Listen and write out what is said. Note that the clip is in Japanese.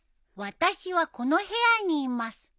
私はこの部屋にいます。